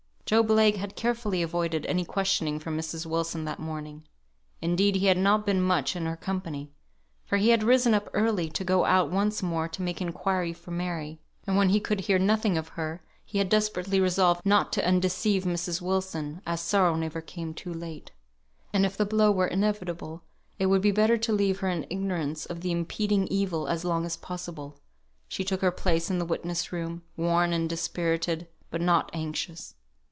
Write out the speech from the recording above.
Job Legh had carefully avoided any questioning from Mrs. Wilson that morning. Indeed he had not been much in her company, for he had risen up early to go out once more to make inquiry for Mary; and when he could hear nothing of her, he had desperately resolved not to undeceive Mrs. Wilson, as sorrow never came too late; and if the blow were inevitable, it would be better to leave her in ignorance of the impending evil as long as possible. She took her place in the witness room, worn and dispirited, but not anxious.